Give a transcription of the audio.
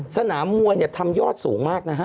สนามมวยทำยอดสูงมาก